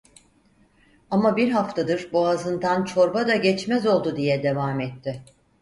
Ama bir haftadır boğazından çorba da geçmez oldu diye devam etti.